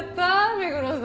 目黒さん。